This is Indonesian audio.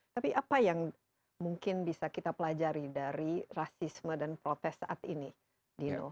tapi apa yang mungkin bisa kita pelajari dari rasisme dan protes saat ini dino